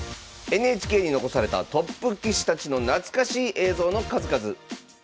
ＮＨＫに残されたトップ棋士たちの懐かしい映像の数々。